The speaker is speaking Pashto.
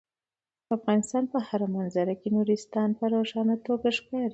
د افغانستان په هره منظره کې نورستان په روښانه توګه ښکاري.